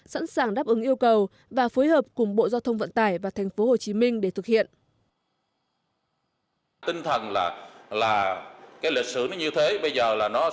sẵn sàng đáp ứng yêu cầu và phối hợp cùng bộ giao thông vận tải và tp hcm để thực hiện